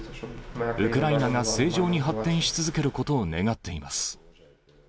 ウクライナが正常に発展し続けることを願っています。